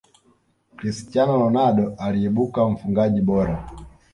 cristiano ronaldo aliibuka mfungaji bora